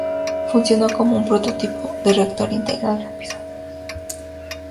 Funcionó como un prototipo de Reactor integral rápido.